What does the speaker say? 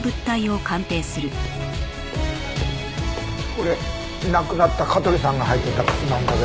これ亡くなった香取さんが履いてた靴なんだけど。